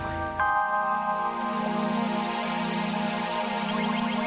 sampai jumpa di video selanjutnya